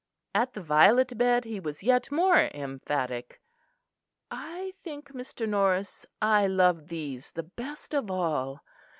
At the violet bed he was yet more emphatic. "I think, Mr. Norris, I love these the best of all.